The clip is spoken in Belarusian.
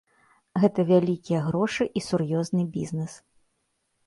Гэта вялікія грошы і сур'ёзны бізнэс.